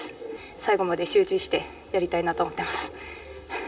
最後まで集中してやりたいなと思っています。